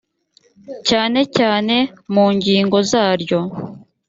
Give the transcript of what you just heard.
cyane cyane mu ngingo zaryo